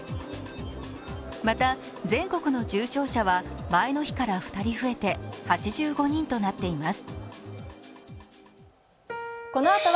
また、全国の重症者は前の日から２人増えて８５人となっています。